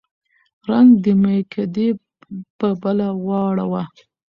رنګ د مېکدې په بله واړوه